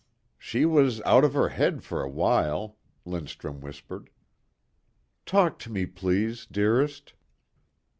"She was out of her head for a while," Lindstrum whispered. "Talk to me please, dearest."